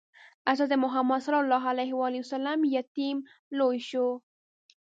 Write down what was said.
حضرت محمد ﷺ یتیم لوی شو.